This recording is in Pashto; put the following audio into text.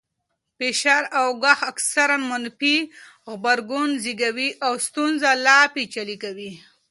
فشار او ګواښ اکثراً منفي غبرګون زېږوي او ستونزه لا پېچلې کوي.